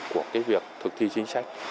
của cái việc thực thi chính sách